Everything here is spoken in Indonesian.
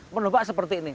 menombak seperti ini